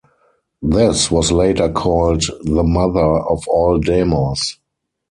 This was later called "the Mother of All Demos".